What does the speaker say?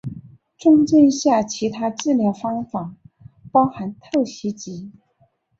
重症下其他治疗方法包含透析及。